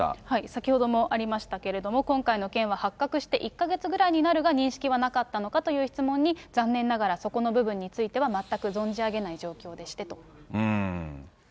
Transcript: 先ほどもありましたけれども、今回の件は発覚して１か月ぐらいになるが、認識はなかったのかという質問に、残念ながらそこの部分については全く存じ上げない状況でしてと。